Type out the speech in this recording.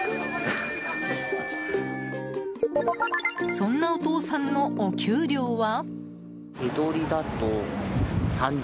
そんなお父さんのお給料は？